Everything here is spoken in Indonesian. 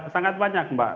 sangat banyak mbak